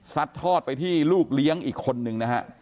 ทอดไปที่ลูกเลี้ยงอีกคนนึงนะฮะ